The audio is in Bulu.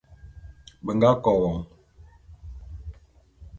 Be nga KO won.